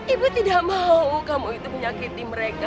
ibu tidak mau kamu itu menyakiti mereka